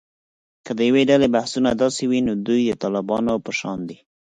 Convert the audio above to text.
که د یوې ډلې بحثونه داسې وي، نو دوی د طالبانو په شان دي